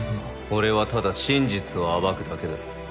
俺はただ真実を暴くだけだ。